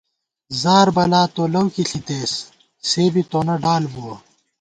زاربَلا تو لؤکی ݪِتېس ، سے بی تونہ ڈال بُوَہ